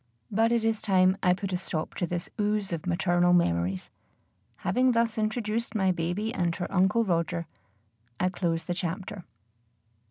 But it is time I put a stop to this ooze of maternal memories. Having thus introduced my baby and her Uncle Roger, I close the chapter.